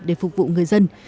để phục vụ người dân